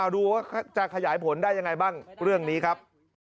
ดูว่าจะขยายผลได้ยังไงบ้างเรื่องนี้ครับ